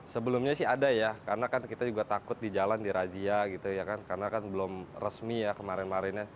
sebelumnya sih ada ya karena kan kita juga takut di jalan di razia gitu ya kan karena kan belum resmi ya kemarin marin ya